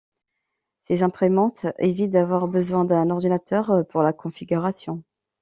Ces imprimantes évitent d'avoir besoin d'un ordinateur pour la configuration.